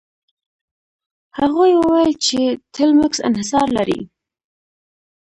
هغوی وویل چې ټیلمکس انحصار لري.